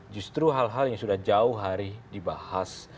justru hal hal yang sudah jauh hari dibahas